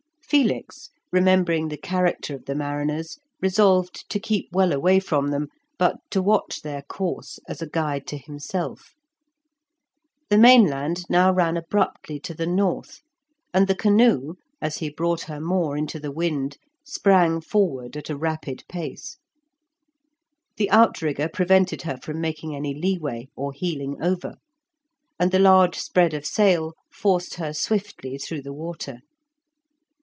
Felix, remembering the character of the mariners, resolved to keep well away from them, but to watch their course as a guide to himself. The mainland now ran abruptly to the north, and the canoe, as he brought her more into the wind, sprang forward at a rapid pace. The outrigger prevented her from making any leeway, or heeling over, and the large spread of sail forced her swiftly through the water.